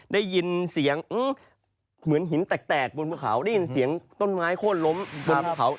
ได้ยินเสียงเหมือนหินแตกบนภูเขาได้ยินเสียงต้นไม้โค้นล้มบนภูเขา